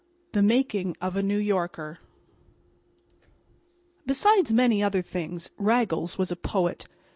THE MAKING OF A NEW YORKER Besides many other things, Raggles was a poet.